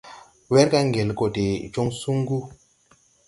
Wɛrga ŋgel gɔ de jɔŋ suŋgu.